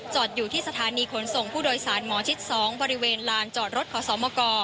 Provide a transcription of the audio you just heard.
อยู่ที่สถานีขนส่งผู้โดยสารหมอชิด๒บริเวณลานจอดรถขอสมก